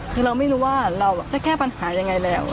คือเราไม่รู้ว่าเราจะแก้ปัญหายังไงแล้ว